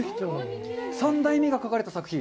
３代目が描かれた作品？